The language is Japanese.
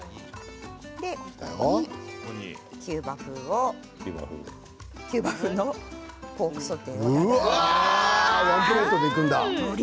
ここにキューバ風のポークソテーを。